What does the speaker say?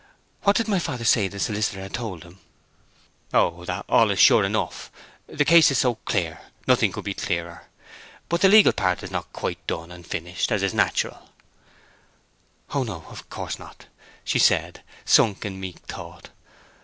"What did my father say the solicitor had told him?" "Oh—that all is sure enough. The case is so clear—nothing could be clearer. But the legal part is not yet quite done and finished, as is natural." "Oh no—of course not," she said, sunk in meek thought.